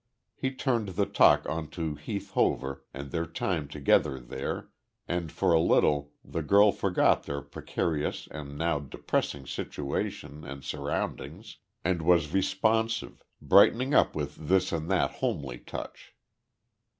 He turned the talk on to Heath Hover and their time together there, and for a little, the girl forgot their precarious and now depressing situation and surroundings, and was responsive, brightening up with this and that homely touch.